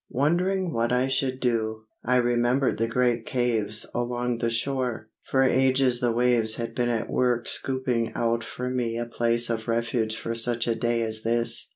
Wondering what I should do, I remembered the great caves along the shore. For ages the waves had been at work scooping out for me a place of refuge for such a day as this.